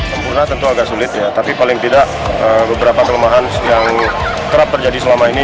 sempurna tentu agak sulit ya tapi paling tidak beberapa kelemahan yang kerap terjadi selama ini